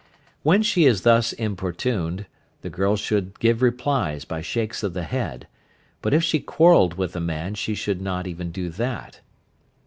When she is thus importuned, the girl should give replies by shakes of the head, but if she quarrelled with the man she should not even do that.